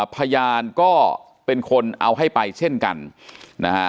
พยานก็เป็นคนเอาให้ไปเช่นกันนะฮะ